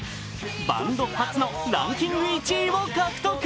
バンド初のランキング１位を獲得。